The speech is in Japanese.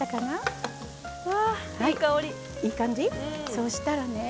そしたらね